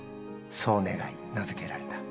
そう願い、名付けられた。